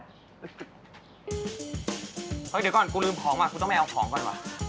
เดี๋ยวก่อนกูลืมของก่อนต้องไปเอาของก่อน